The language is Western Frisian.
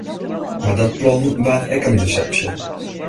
Mar dat plan waard ek in desepsje.